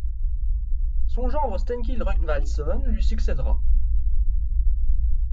Son gendre Stenkill Rögnvaldsson lui succèdera.